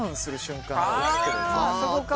あそこか。